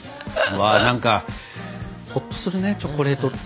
何かほっとするねチョコレートって。